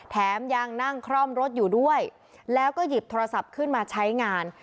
แถมยังนั่งคล่อมรถอยู่ด้วยแล้วก็หยิบโทรศัพท์ขึ้นมาใช้งาน